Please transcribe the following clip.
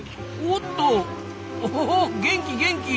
おほほ元気元気！